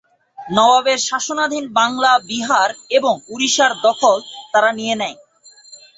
নবাবের শাসনাধীন বাংলা, বিহার এবং উড়িষ্যার দখল তারা নিয়ে নেয়।